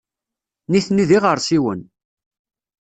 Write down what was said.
Nitni d iɣersiwen.